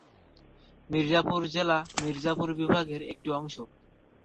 মির্জাপুর জেলা মির্জাপুর বিভাগের একটি অংশ।